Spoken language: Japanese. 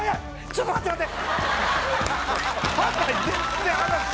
ちょっと待って待って。